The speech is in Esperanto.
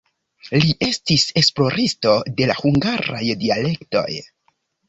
Li estis esploristo de la hungaraj dialektoj.